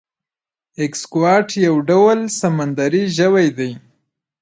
ایکسکوات یو ډول سمندری ژوی دی